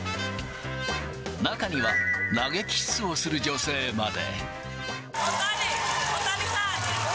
中には、投げキッスをする女性まで。